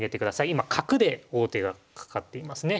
今角で王手がかかっていますね。